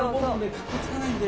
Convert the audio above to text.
かっこつかないんで。